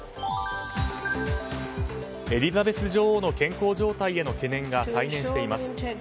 エリザベス女王の健康状態への懸念が再燃しています。